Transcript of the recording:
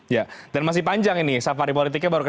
ya dan masih panjang ini safari politiknya